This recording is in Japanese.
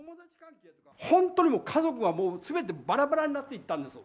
本当にもう家族は、もうすべてばらばらになっていったんです。